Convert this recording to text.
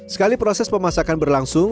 sekali proses pemasakan berlangsung